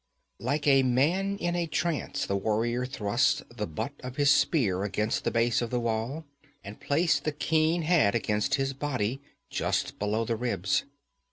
Like a man in a trance the warrior thrust the butt of his spear against the base of the wall, and placed the keen head against his body, just below the ribs.